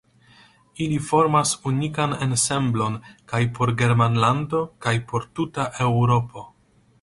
Ili formas unikan ensemblon kaj por Germanlando kaj por tuta Eŭropo.